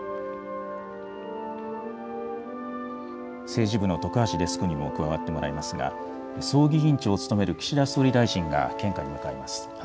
政治部の徳橋デスクにも加わってもらいますが、葬儀委員長を務める岸田総理大臣が献花に向かいます。